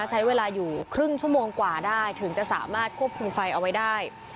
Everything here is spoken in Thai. ใช้เวลาอยู่ครึ่งชั่วโมงกว่าได้ถึงจะสามารถควบคุมไฟเอาไว้ได้